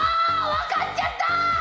分かっちゃった！